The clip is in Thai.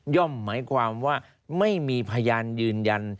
หมายความว่าไม่มีพยานยืนยัน